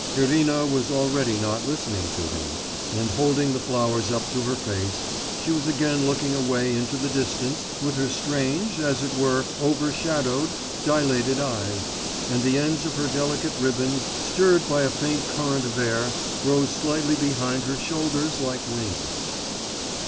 Irina was already not listening to him, and holding the flowers up to her face, she was again looking away into the distance with her strange, as it were, overshadowed, dilated eyes, and the ends of her delicate ribbons stirred by a faint current of air rose slightly behind her shoulders like wings.